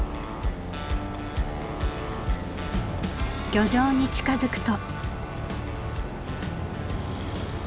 漁場に近づくと。